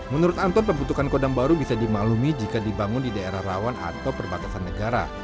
menurut anton pembentukan kodam baru bisa dimaklumi jika dibangun di daerah rawan atau perbatasan negara